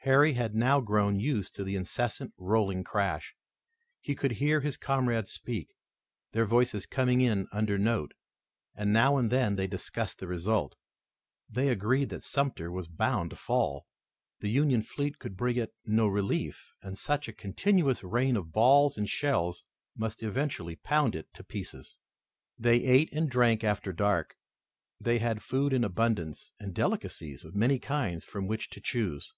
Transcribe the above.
Harry had now grown used to this incessant, rolling crash. He could hear his comrades speak, their voices coming in an under note, and now and then they discussed the result. They agreed that Sumter was bound to fall. The Union fleet could bring it no relief, and such a continuous rain of balls and shells must eventually pound it to pieces. They ate and drank after dark. They had food in abundance and delicacies of many kinds from which to choose.